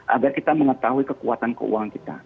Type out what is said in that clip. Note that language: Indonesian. agar kita mengetahui kekuatan keuangan kita